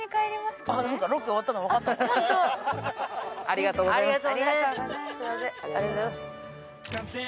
ありがとうございます。